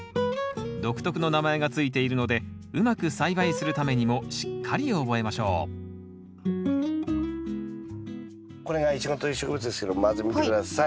独特の名前が付いているのでうまく栽培するためにもしっかり覚えましょうこれがイチゴという植物ですけどもまず見て下さい。